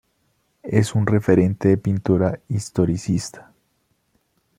Es un referente en pintura historicista.